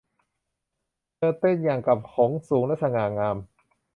เธอเต้นอย่างกับหงส์ สูงและสง่างาม